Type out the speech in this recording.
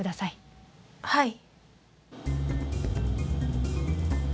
はい。